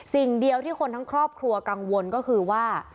สิ่งเดียวที่คนทั้งครอบครัวกังวลก็คือว่า